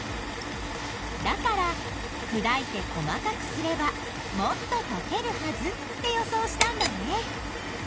だからくだいて細かくすればもっととけるはずって予想したんだね。